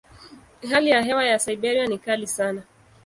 Hali ya hewa ya Siberia ni kali sana.